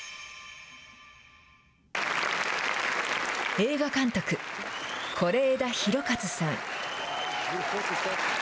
映画監督、是枝裕和さん。